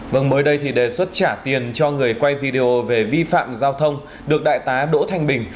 vâng mới đây thì đề xuất trả tiền cho người quay video về vi phạm giao thông được đại tá đỗ thanh bình